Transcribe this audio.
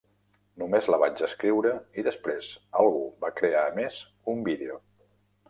Només la vaig escriure, i després algú va crear a més un vídeo.